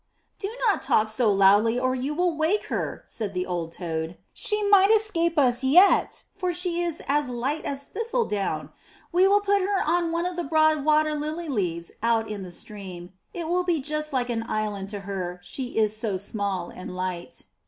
*'Do not talk so loud or you will wake her," said the old toad; ''she might escape us yet, for she is as light as thistledown ! We will put her on one of the broad water lily leaves out in the stream; it will be just like an island to her, she is so small and light.